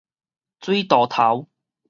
水道頭